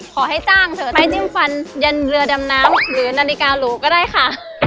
ขอให้จ้างเถอะไปจิ้มฟันยันเรือดำน้ำหรือนาฬิกาหรูก็ได้ค่ะ